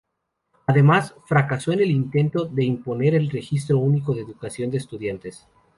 Además, fracasó en el intento de imponer el Registro Único de Educación de Estudiantes.